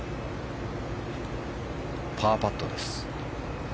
パーパットです。